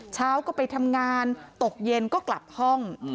เช้าก็ไปทำงานตกเย็นก็กลับห้อง